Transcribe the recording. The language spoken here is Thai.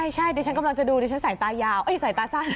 ใช่ดิฉันกำลังจะดูดิฉันใส่ตายาวใส่ตาสั้น